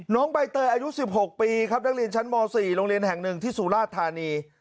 น้องใบเตยอายุ๑๖ปีครับนักเรียนชั้นม๔โรงเรียนแห่งหนึ่งที่สุราชธานี